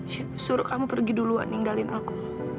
chef suruh kamu pergi duluan ninggalin aku